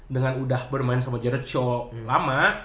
dengan udah bermain sama jared shaw lama